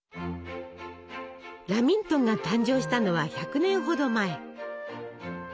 ラミントンが誕生したのは１００年ほど前。